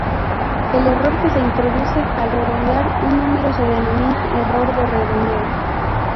El error que se introduce al redondear un número se denomina error de redondeo.